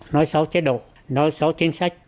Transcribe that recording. nói xấu chế độ nói xấu chính sách